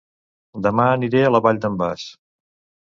Dema aniré a La Vall d'en Bas